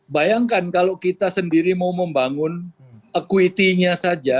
bayangkan kalau kita sendiri mau membangun equity nya saja